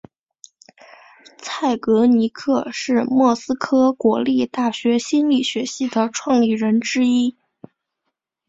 蔡格尼克是莫斯科国立大学心理学系的创立人之一。